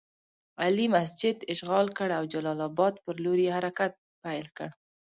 علي مسجد اشغال کړ او جلال اباد پر لور یې حرکت پیل کړ.